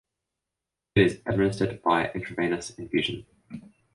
It is administered via intravenous infusion.